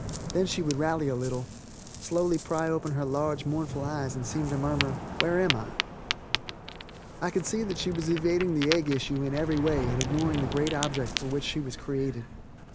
Then she would rally a little, slowly pry open her large, mournful eyes, and seem to murmur "Where am I?" I could see that she was evading the egg issue in every way and ignoring the great object for which she was created.